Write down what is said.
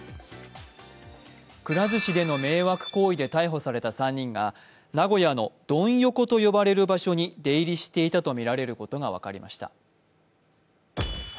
くら寿司での迷惑行為で逮捕された３人が名古屋のドン横と呼ばれる場所に出入りしていたとみられることが分かりました。